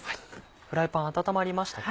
フライパン温まりましたか？